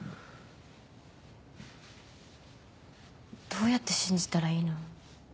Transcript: どうやって信じたらいいの？